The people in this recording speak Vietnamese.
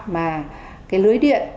mà cái lưới điện